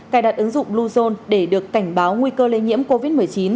cài đặt ứng dụng bluezone để được cảnh báo nguy cơ lây nhiễm covid một mươi chín